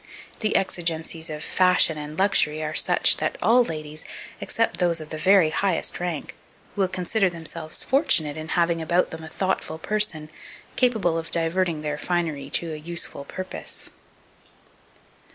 The exigencies of fashion and luxury are such, that all ladies, except those of the very highest rank, will consider themselves fortunate in having about them a thoughtful person, capable of diverting their finery to a useful purpose.